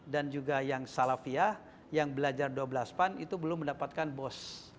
dan juga yang salafiyah yang belajar dua belas pan itu belum mendapatkan bos